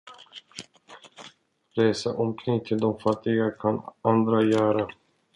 Resa omkring till de fattiga kan andra göra.